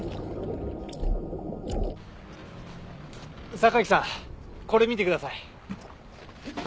榊さんこれ見てください。